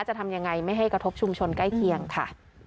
จะทำยังไงไม่ให้กระทบชุมชนใกล้เคียงค่ะ